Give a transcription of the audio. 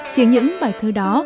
chỉ những bài thơ đó